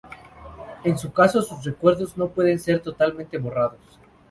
En su caso, sus recuerdos no pueden ser totalmente borrados.